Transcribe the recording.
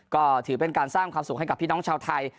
ก็ถือเป็นการสร้างความสุขให้กับพี่น้องชาวไทย